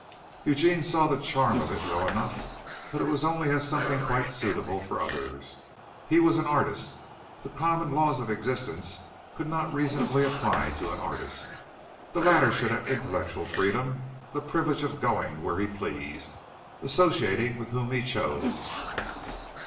Eugene saw the charm of it well enough, but it was only as something quite suitable for others. He was an artist. The common laws of existence could not reasonably apply to an artist. The latter should have intellectual freedom, the privilege of going where he pleased, associating with whom he chose.